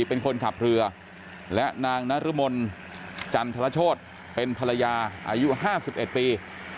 เป็นคนขับเรือและนางนรมนจันทรโชธเป็นภรรยาอายุ๕๑ปี